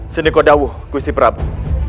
sini kau tahu gusti prabu